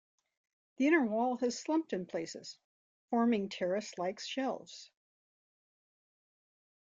The inner wall has slumped in places, forming terrace-like shelves.